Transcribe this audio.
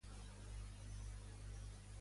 Qui és Nayim al-Yaburi?